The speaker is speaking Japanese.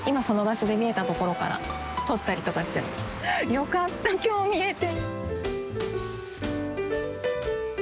よかった今日見えて。